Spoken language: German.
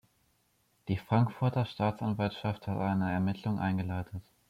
Die Frankfurter Staatsanwaltschaft hat eine Ermittlung eingeleitet.